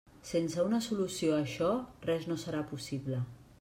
Sense una solució a això, res no serà possible.